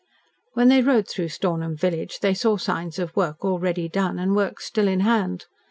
When they rode through Stornham village they saw signs of work already done and work still in hand.